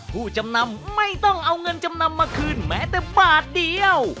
ผู้จำนำไม่ต้องเอาเงินจำนำมาคืนแม้แต่บาทเดียว